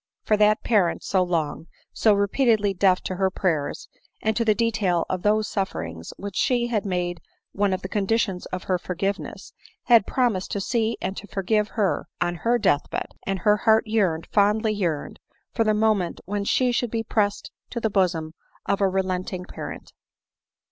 For that parent, so long, so repeatedly deaf to her prayers, and to the detail of those sufferings which she had made one of the condi tions of her forgiveness, had promised to see and to for give her on her death bed; and her heart yearned, fondly yearned, for the moment when she should be pressed to the bosom of a relenting parent.